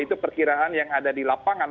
itu perkiraan yang ada di lapangan